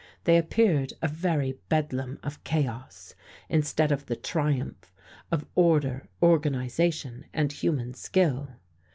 They appeared a very bedlam of chaos, instead of the triumph of order, organization and human skill.